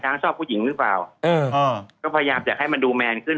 ช้างชอบผู้หญิงหรือเปล่าเอออ๋อก็พยายามจะให้มันดูคืน